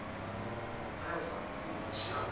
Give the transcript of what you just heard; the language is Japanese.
紗世さんいつもと違う。